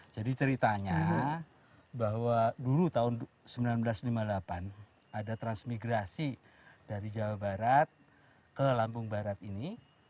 jadi ceritanya bahwa dulu tahun seribu sembilan ratus lima puluh delapan ada transmigrasi dari jawa barat ke lampung barat ini